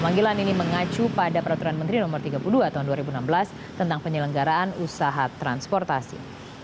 panggilan ini mengacu pada peraturan menteri no tiga puluh dua tahun dua ribu enam belas tentang penyelenggaraan usaha transportasi